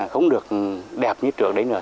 không được đẹp như trước đấy nữa